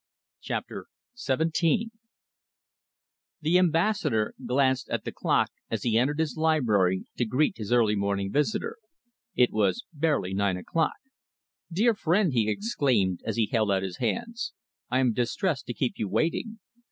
CHAPTER XVII The Ambassador glanced at the clock as he entered his library to greet his early morning visitor. It was barely nine o'clock. "Dear friend," he exclaimed, as he held out his hands, "I am distressed to keep you waiting!